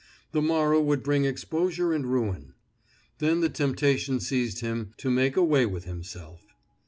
The morrow would bring exposure and ruin. Then the temptation seized him to make away with himself.